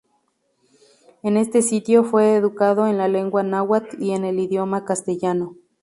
En este sitio fue educado en la lengua náhuatl y en el idioma castellano.